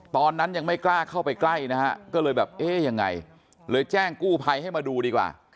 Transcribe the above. ตอนนั้นยังไม่กล้าเข้าไปใกล้เลยแจ้งกู้ภัยให้มาดูดีกว่า